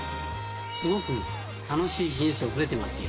すごく楽しい人生を送れてますよ。